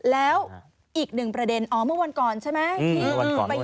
แล้วอีกหนึ่งประเด็นอ๋อเมื่อวันก่อนใช่ไหม